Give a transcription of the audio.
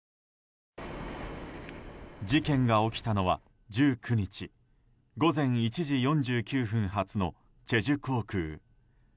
事件が起きたのは１９日午前１時４９分発のチェジュ航空。